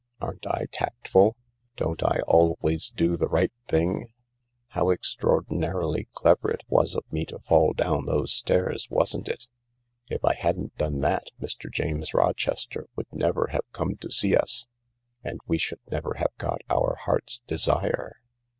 Aren't I tactful ? Don't I always do the right thing ? Hbw extra ordinarily clever it was of me to fall down those stairs, wasn't THE LARK 73 it ? If I hadn't done that, Mr. James Rochester would never have come to see us, and we should never have got our heart's desire.